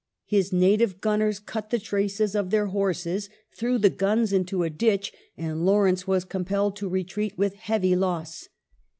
His native gunners cut the traces of their horses, threw the guns into a ditch, and Lawrence was compelled to retreat with heavy loss.